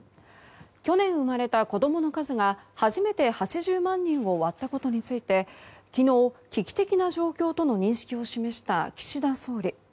去年生まれた子供の数が初めて８０万人を割ったことについて昨日、危機的な状況との認識を示した岸田総理。